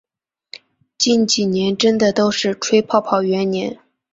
近几年真的都是吹泡泡元年